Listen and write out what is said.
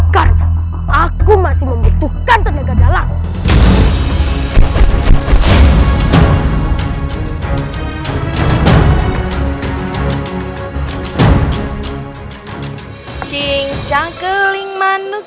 karena aku masih membutuhkan tenaga dalam